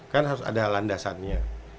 kan harus ada landasannya